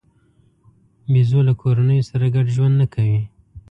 بیزو له کورنیو سره ګډ ژوند نه کوي.